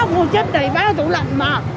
mua chất đầy bán ở tủ lạnh mà